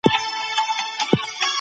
پرلپسې د درملو زیات استعمال خطرناک دی.